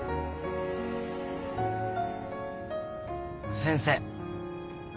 先生。